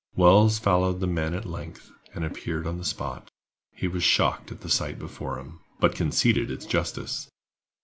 Wells followed the men at length, and appeared on the spot. He was shocked at the sight before him, but conceded its justice.